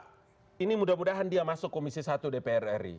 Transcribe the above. nah ini mudah mudahan dia masuk komisi satu dpr ri